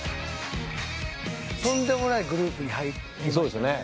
とんでもないグループに入りましたよね。